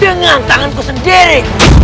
dengan tanganku sendiri